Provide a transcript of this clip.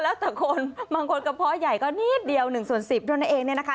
แล้วแต่คนบางคนกระเพาะใหญ่ก็นิดเดียว๑ส่วน๑๐เท่านั้นเองเนี่ยนะคะ